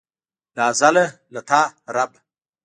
له ازله له تا ربه.